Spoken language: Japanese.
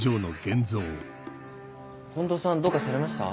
近藤さんどうかされました？